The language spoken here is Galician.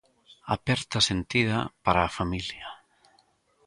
Aperta sentida para a familia.